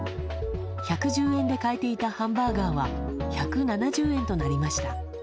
１１０円で買えていたハンバーガーは１７０円となりました。